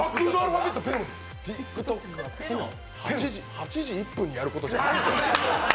８時１分にやることじゃない。